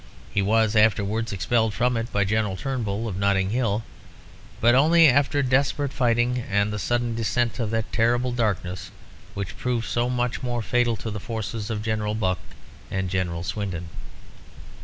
He was afterwards expelled from it by General Turnbull, of Notting Hill, but only after desperate fighting and the sudden descent of that terrible darkness which proved so much more fatal to the forces of General Buck and General Swindon.